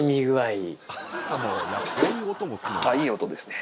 いいですね。